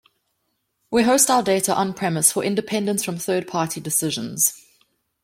We host our data on-premise for independence from third-party decisions.